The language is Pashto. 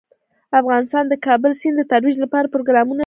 افغانستان د د کابل سیند د ترویج لپاره پروګرامونه لري.